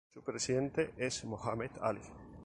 Su presidente es Mohamed Alí.